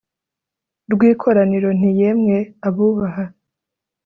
rw'ikoraniro nti yemwe abubaha